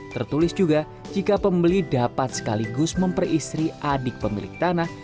tertulis juga jika pembeli dapat sekaligus memperistri adik pemilik tanah